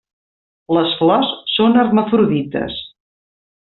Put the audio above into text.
Les flors són hermafrodites.